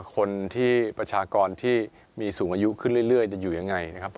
คนที่ประชากรที่มีสูงอายุขึ้นเรื่อยจะอยู่ยังไงนะครับ